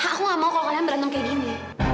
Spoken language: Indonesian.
aku gak mau kalau kalian berantem kayak gini